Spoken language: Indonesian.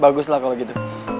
bagus lah kalau gitu